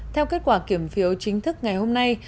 theo kết quả kiểm phiếu chính thức ngày hôm nay